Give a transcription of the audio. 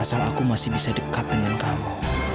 asal aku masih bisa dekat dengan kamu